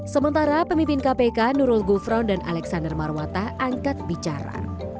sementara pemimpin kpk nurul gufron dan alexander marwata angkat bicara